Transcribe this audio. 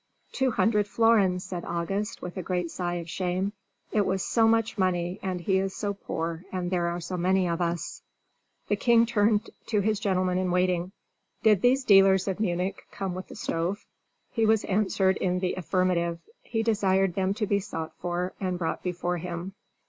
"Two hundred florins," said August, with a great sigh of shame. "It was so much money, and he is so poor, and there are so many of us." The king turned to his gentlemen in waiting. "Did these dealers of Munich come with the stove?" He was answered in the affirmative. He desired them to be sought for and brought before him.